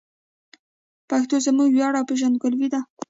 پښتو زموږ ویاړ او پېژندګلوي ده.